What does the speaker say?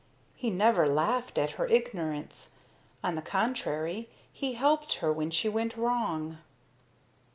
He never laughed at her ignorance; on the contrary, he helped her when she went wrong.